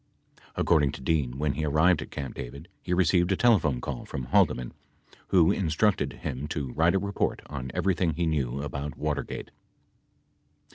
According to Dean, when he arrived at Camp David, he received a telephone call from Haldeman who instructed him to write a report on everything he knew about Watergate.